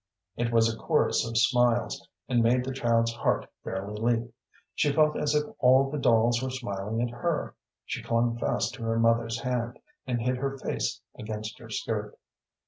It was a chorus of smiles, and made the child's heart fairly leap. She felt as if all the dolls were smiling at her. She clung fast to her mother's hand, and hid her face against her skirt.